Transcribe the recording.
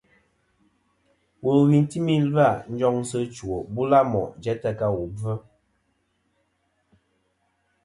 Wulwi timi ɨ̀lvɨ-a njoŋsɨ chwò bula mo' jæ tɨ ka wu bvɨ.